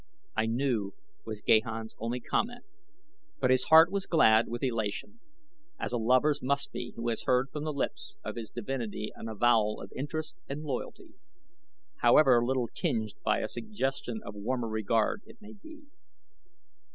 "I knew," was Gahan's only comment, but his heart was glad with elation, as a lover's must be who has heard from the lips of his divinity an avowal of interest and loyalty, however little tinged by a suggestion of warmer regard it may be.